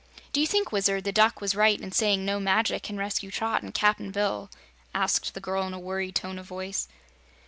"Do you think, Wizard, the Duck was right in saying no magic can rescue Trot and Cap'n Bill?" asked the girl in a worried tone of voice.